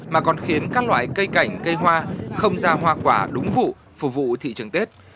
mà còn khiến các loại cây cảnh cây hoa không ra hoa quả đúng vụ phục vụ thị trường tết